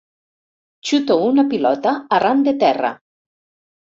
Xuto una pilota a ran de terra.